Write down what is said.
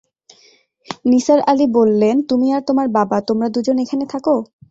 নিসার আলি বললেন, তুমি আর তোমার বাবা, তোমরা দু জন এখানে থাক?